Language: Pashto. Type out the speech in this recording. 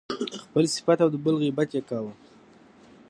خپل صفت او د بل غیبت يې کاوه.